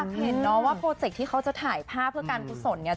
เห็นเนาะว่าโปรเจคที่เขาจะถ่ายภาพเพื่อการกุศลเนี่ย